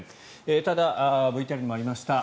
ただ、ＶＴＲにもありました。